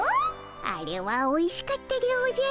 あれはおいしかったでおじゃる。